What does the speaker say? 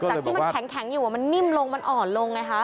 จากที่มันแข็งอยู่มันนิ่มลงมันอ่อนลงไงคะ